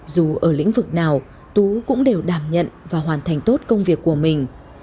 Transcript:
dù ở lĩnh vực nào tú cũng đều đảm nhận và hoàn thành tốt công việc của mình